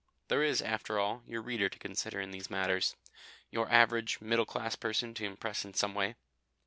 There is, after all, your reader to consider in these matters, your average middle class person to impress in some way.